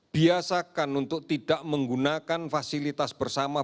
biasakan untuk tidak menggunakan fasilitas bersama